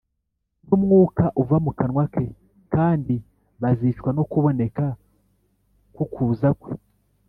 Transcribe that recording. ‘‘ n’umwuka uva mu kanwa ke,’’ kandi bazicwa no kuboneka k’ukuza kwe